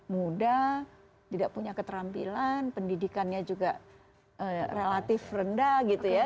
muda tidak punya keterampilan pendidikannya juga relatif rendah gitu ya